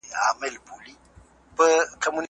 آیا خپل دود تر پردي دود خوښوونکی دی؟